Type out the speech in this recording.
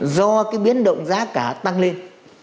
do cái biến động giá cả tăng lên